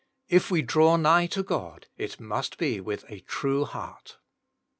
If we draw nigh to God, it must be with a true heart.